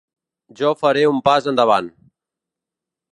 Jo faré un pas endavant.